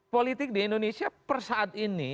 politik di indonesia persaat ini